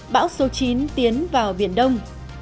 bão số chín tiến vào biển đông